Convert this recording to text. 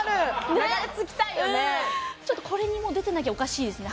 ちょっとこれにもう出てなきゃおかしいですね。